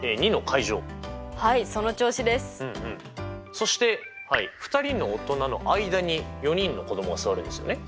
そして２人の大人の間に４人の子どもは座るんですよね。